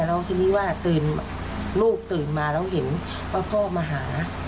ลูกตื่นมาแล้วเห็นว่าพ่อมาหา